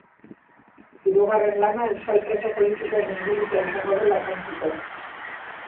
Hirugarren lana euskal preso politikoen ingurukoa izango dela esan zuten.